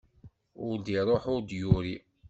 Ur d-iruḥ ur d-yuri.